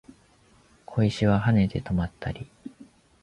小石は跳ねて止まったり